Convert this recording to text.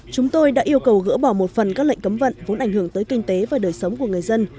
chúng tôi đã yêu cầu gỡ bỏ một phần các lệnh cấm vận vốn ảnh hưởng tới kinh tế và đời sống của người dân